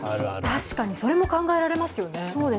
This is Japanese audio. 確かに、それも考えられますよね